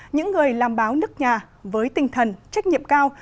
những người làm báo nước nhà với tinh thần trách nhiệm cao